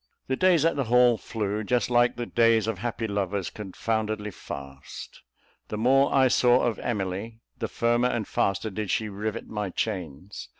The days at the Hall flew, just like all the days of happy lovers, confoundedly fast. The more I saw of Emily, the firmer and faster did she rivet my chains.